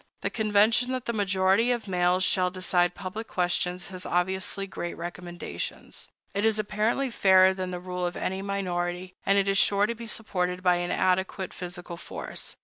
The convention that the majority of males shall decide public questions has obviously great recommendations. It is apparently fairer than the rule of any minority, and it is sure to be supported by an adequate physical force.